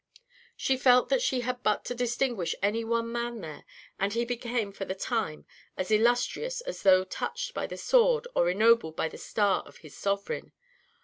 She felt that she had but to distinguish any one man there, and he became for the time as illustrious as though touched by the sword or ennobled by the star of his sovereign.